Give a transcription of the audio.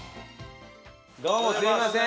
どうもすいません。